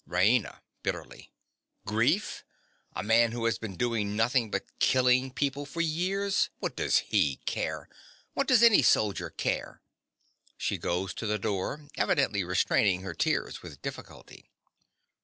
RAINA. (bitterly). Grief!—a man who has been doing nothing but killing people for years! What does he care? What does any soldier care? (_She goes to the door, evidently restraining her tears with difficulty.